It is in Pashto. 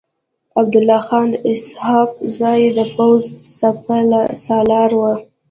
عبدالله خان اسحق زی د پوځ سپه سالار و.